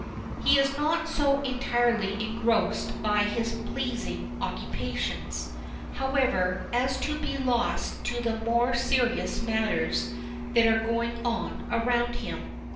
He is not so entirely engrossed by his pleasing occupations, however, as to be lost to the more serious matters that are going on around him.